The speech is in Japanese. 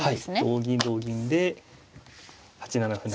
同銀同銀で８七歩成。